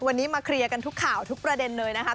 วันนี้มาเคลียร์กันทุกข่าวทุกประเด็นเลยนะคะ